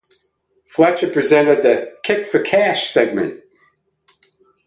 Fletcher presented the "Kick for Cash" segment.